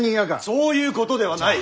そういうことではない！